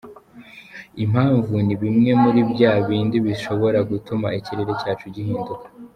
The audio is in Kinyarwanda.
Impamvu ni bimwe muri bya bindi bishobora gutuma ikirere cyacu gihinduka.